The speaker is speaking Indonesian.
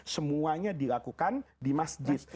semuanya dilakukan di masjid